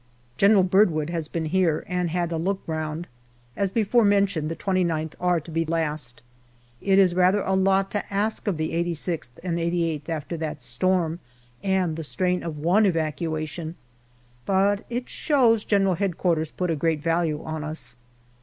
General Birdwood has been here and had a look round. As before mentioned, the 2Qth are to be last. It is rather a lot to ask of the 86th and 88th after that storm and the strain of one evacuation, but it shows G.H.Q. put a great value on us.